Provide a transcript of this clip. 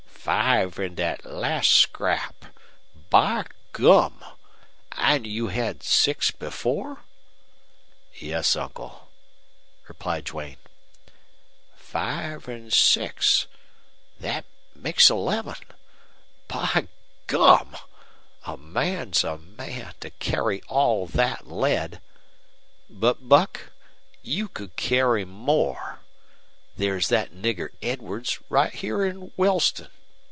"Five in that last scrap! By gum! And you had six before?" "Yes, uncle," replied Duane. "Five and six. That makes eleven. By gum! A man's a man, to carry all that lead. But, Buck, you could carry more. There's that nigger Edwards, right here in Wellston.